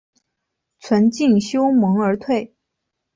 存敬修盟而退。